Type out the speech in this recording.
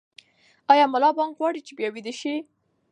ایا ملا بانګ غواړي چې بیا ویده شي؟